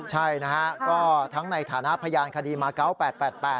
ใช่นะฮะก็ทั้งในฐานะพยานคดีมาเกาะ๘๘